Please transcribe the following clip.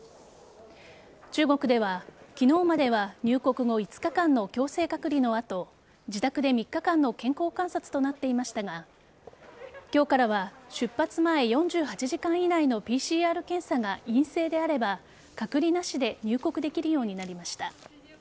中国では昨日までは入国後５日間の強制隔離の後自宅で３日間の健康観察となっていましたが今日からは出発前４８時間以内のＰＣＲ検査が陰性であれば隔離なしで入国できるようになりました。